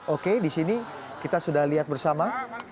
oke di sini kita sudah lihat bersama